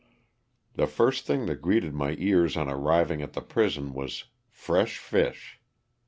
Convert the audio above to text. The first thing that greeted my ears on arriving at the prison was "fresh fish.''